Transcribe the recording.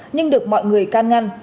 nhưng được mọi người can ngăn